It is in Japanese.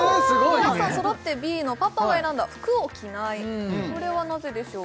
皆さんそろってＢのパパが選んだ服を着ないこれはなぜでしょう？